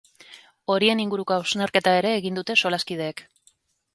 Horien inguruko hausnarketa ere egin dute solaskideek.